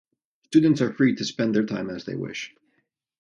Students are free to spend their time as they wish.